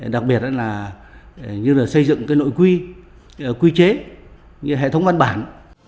đặc biệt là xây dựng nội quy chế như hệ thống văn bản